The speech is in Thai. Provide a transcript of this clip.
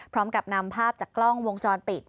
พร้อมกับนำภาพจากกล้องวงจรปิด